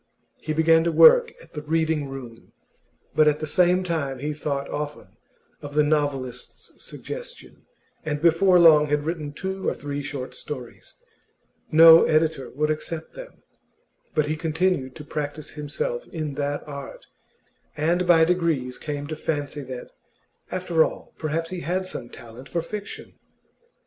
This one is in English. He began to work at the Reading room, but at the same time he thought often of the novelist's suggestion, and before long had written two or three short stories. No editor would accept them; but he continued to practise himself in that art, and by degrees came to fancy that, after all, perhaps he had some talent for fiction.